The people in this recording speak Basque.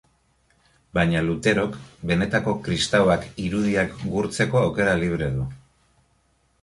Baina Luterok benetako kristauak irudiak gurtzeko aukera libre du.